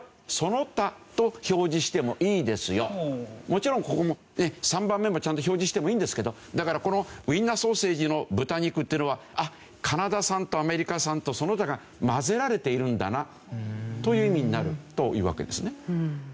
もちろんここも３番目もちゃんと表示してもいいんですけどだからこのウインナーソーセージの豚肉っていうのはカナダ産とアメリカ産とその他が混ぜられているんだなという意味になるというわけですね。